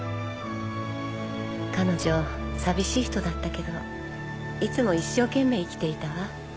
彼女寂しい人だったけどいつも一生懸命生きていたわ。